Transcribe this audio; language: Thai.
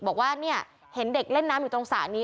บอกว่าเฮนเด็กเล่นน้ำอยู่ตรงศาลนี้